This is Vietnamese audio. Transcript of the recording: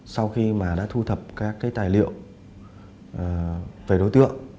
sau khi mà đã thu thập các cái tài liệu về đối tượng